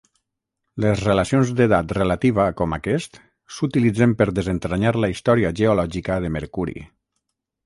Les relacions d'edat relativa com aquest s'utilitzen per desentranyar la història geològica de Mercuri.